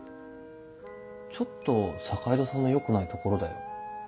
ちょっと坂井戸さんのよくないところだよ。